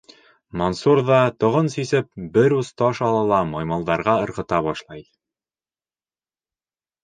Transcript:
Мансур ҙа, тоғон сисеп, бер ус таш ала ла маймылдарға ырғыта башлай.